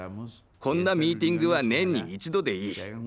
こんなミーティングは年に１度でいい。